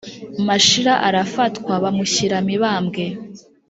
mashira arafatwa bamushyira mibambwe.